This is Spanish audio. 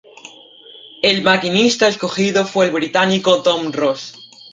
El maquinista escogido fue el británico Tom Ros.